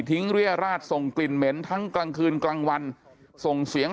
เรียราชส่งกลิ่นเหม็นทั้งกลางคืนกลางวันส่งเสียง